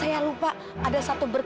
saya sudah pernah kira